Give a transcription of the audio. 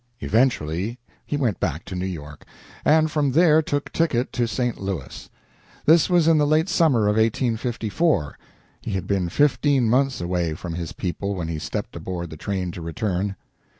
Eventually he went back to New York, and from there took ticket to St. Louis. This was in the late summer of 1854; he had been fifteen months away from his people when he stepped aboard the train to return.